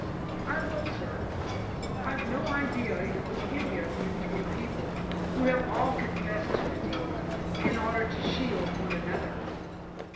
"I will, sir. I've no idea it was any of you three people, who have all confessed to the deed, in order to shield one another."